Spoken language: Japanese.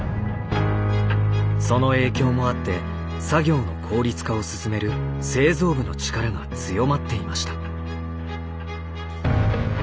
その影響もあって作業の効率化を進める製造部の力が強まっていました。